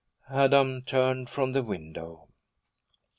Adam turned from the window.